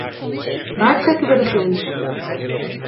Waar trekken we de grenzen?